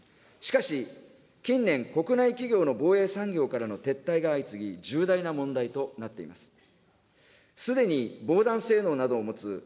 しかし、近年、国内企業の防衛産業からの撤退が相次ぎ、重大な問題となっています。